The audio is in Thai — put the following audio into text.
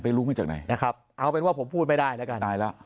รู้มาจากไหนนะครับเอาเป็นว่าผมพูดไม่ได้แล้วกันตายแล้ว